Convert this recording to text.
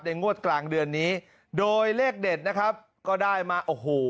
งวดกลางเดือนนี้โดยเลขเด็ดนะครับก็ได้มาโอ้โห